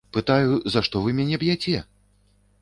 Пытаю, за што вы мяне б'яце?